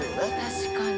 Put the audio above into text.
確かに。